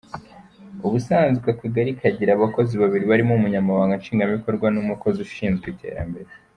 Ubusanzwe akagari kagira abakozi babiri barimo Umunyamabanga Nshingwabikorwa n’umukozi ushinzwe iterambere.